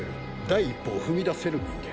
第一歩を踏み出せる人間。